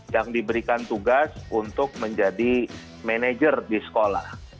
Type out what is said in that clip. yang diberikan tugas untuk menjadi manajer di sekolah